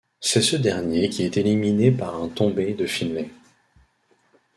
C'est ce dernier qui est éliminé par un tombé de Finlay.